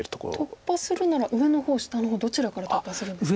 突破するなら上の方下の方どちらから突破するんですか？